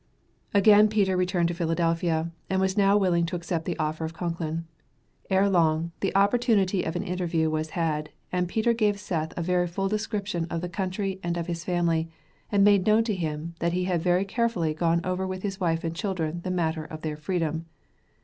Again Peter returned to Philadelphia, and was now willing to accept the offer of Concklin. Ere long, the opportunity of an interview was had, and Peter gave Seth a very full description of the country and of his family, and made known to him, that he had very carefully gone over with his wife and children the matter of their freedom.